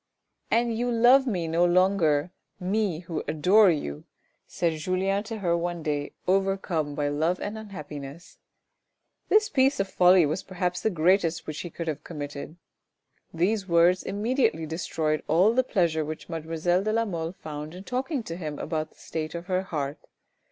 " And you love me no longer, me, who adore you !" said Julien to her one day, overcome by love and unhappiness. This piece of folly was perhaps the greatest which he could have committed. These words immediately destroyed all the pleasure which mademoiselle de la Mole found in talking to him about the state of her heart.